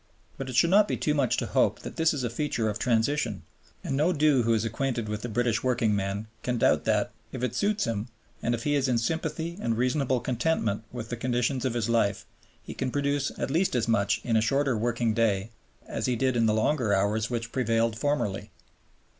But it should not be too much to hope that this is a feature of transition, and no one who is acquainted with the British workingman can doubt that, if it suits him, and if he is in sympathy and reasonable contentment with the conditions of his life, he can produce at least as much in a shorter working day as he did in the longer hours which prevailed formerly.